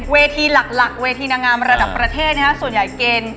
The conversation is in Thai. เวทีหลักเวทีนางงามระดับประเทศส่วนใหญ่เกณฑ์